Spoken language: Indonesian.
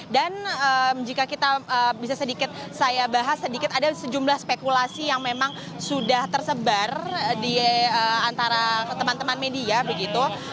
dan jika kita bisa sedikit saya bahas sedikit ada sejumlah spekulasi yang memang sudah tersebar di antara teman teman media begitu